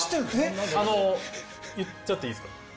あの言っちゃっていいですか？